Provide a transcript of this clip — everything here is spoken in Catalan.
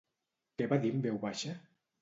Què va dir en veu baixa?